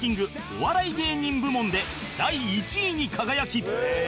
お笑い芸人部門で第１位に輝き